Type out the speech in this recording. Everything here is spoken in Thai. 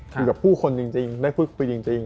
อยู่กับผู้คนจริงได้พูดคุยจริง